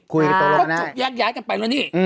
พวกมันจะจุกยากยากกันไปน่ะนี่